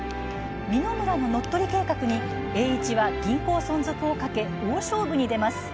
三野村の乗っ取り計画に、栄一は銀行存続をかけ大勝負に出ます。